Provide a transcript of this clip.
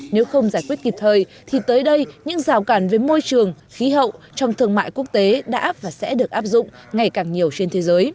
nếu không giải quyết kịp thời thì tới đây những rào cản về môi trường khí hậu trong thương mại quốc tế đã và sẽ được áp dụng ngày càng nhiều trên thế giới